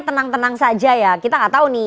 tenang tenang saja ya kita gak tau nih